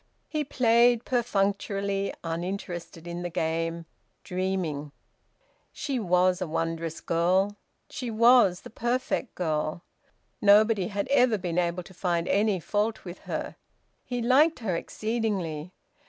He played perfunctorily, uninterested in the game, dreaming. She was a wondrous girl! She was the perfect girl! Nobody had ever been able to find any fault with her. He liked her exceedingly.